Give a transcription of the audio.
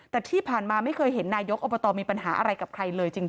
แต่ที่ผ่านมาไม่เคยเห็นนายกอบตมีปัญหาอะไรกับใครเลยจริง